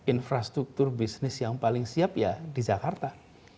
infrastruktur bisnis yang paling siap ya di jakarta